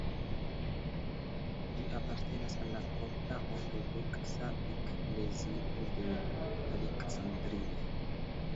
Ĝi apartenas al la Kopta Ortodoksa Eklezio de Aleksandrio.